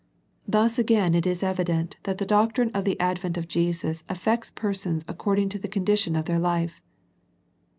Thus again it is evident that the doctrine of the ad vent of Jesus affects persons according to the condition of their life.